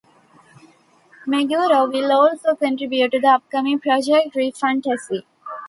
Meguro will also contribute to the upcoming "Project Re Fantasy".